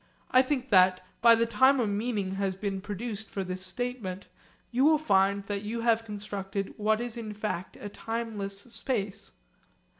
I think that, by the time a meaning has been produced for this statement, you will find that you have constructed what is in fact a timeless space.